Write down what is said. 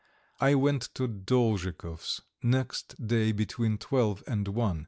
I went to Dolzhikov's next day between twelve and one.